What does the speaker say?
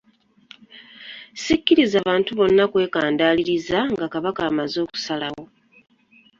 Sikkiriza bantu bonna kwekandaaririza nga Kabaka amaze okusalawo